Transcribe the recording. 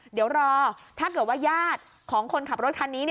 เดี๋ยวรอถ้าเกิดว่าญาติของคนขับรถคันนี้